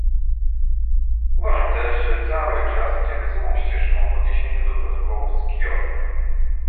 Uważam też, że cały czas idziemy złą ścieżką w odniesieniu do protokołu z Kioto